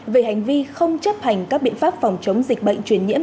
về hành vi không chấp hành các biện pháp phòng chống dịch bệnh truyền nhiễm